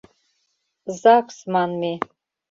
«Загс» манме.